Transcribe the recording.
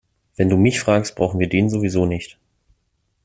Wenn du mich fragst, brauchen wir den sowieso nicht.